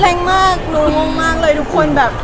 แรงมากรู้มากเลยทุกคนน้อยแบบ